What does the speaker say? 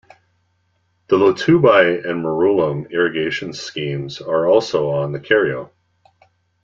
The Lotubai and Morulem irrigation schemes are on the Kerio.